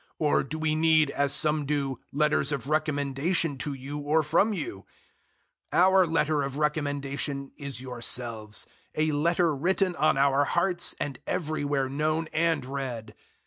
Or do we need, as some do, letters of recommendation to you or from you? 003:002 Our letter of recommendation is yourselves a letter written on our hearts and everywhere known and read.